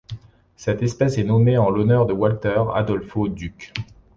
Cette espèce est nommée en l'honneur de Walter Adolpho Ducke.